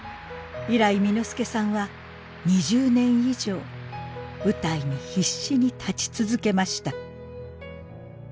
以来簑助さんは２０年以上舞台に必死に立ち続けました。